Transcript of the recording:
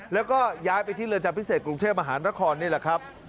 แล้วก็ย้ายไปที่เรือนจำพิเศษกรุงเทพมหานครนี่แหละครับ